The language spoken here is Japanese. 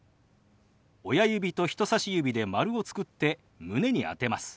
親指と人さし指で丸を作って胸に当てます。